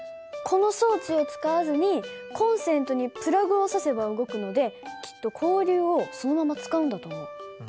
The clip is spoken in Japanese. この装置を使わずにコンセントにプラグを差せば動くのできっと交流をそのまま使うんだと思う。